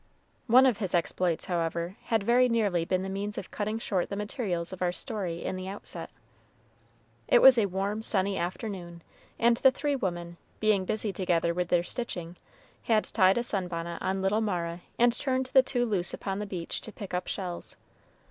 One of his exploits, however, had very nearly been the means of cutting short the materials of our story in the outset. It was a warm, sunny afternoon, and the three women, being busy together with their stitching, had tied a sun bonnet on little Mara, and turned the two loose upon the beach to pick up shells.